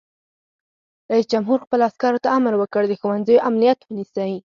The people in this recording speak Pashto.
رئیس جمهور خپلو عسکرو ته امر وکړ؛ د ښوونځیو امنیت ونیسئ!